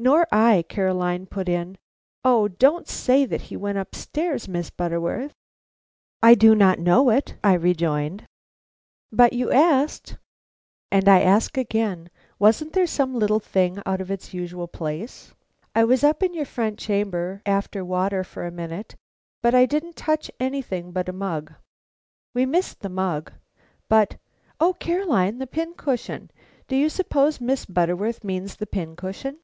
"Nor I," Caroline put in. "O, don't say that he went up stairs, Miss Butterworth!" "I do not know it," I rejoined. "But you asked " "And I ask again. Wasn't there some little thing out of its usual place? I was up in your front chamber after water for a minute, but I didn't touch anything but the mug." "We missed the mug, but O Caroline, the pin cushion! Do you suppose Miss Butterworth means the pin cushion?"